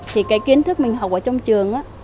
thì kiến thức mình học ở trong trường